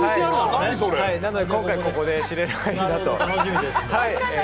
なので、今回、ここで知れたらいいなと。